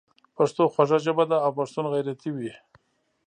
پښتو خوږه ژبه ده او پښتون غیرتي وي.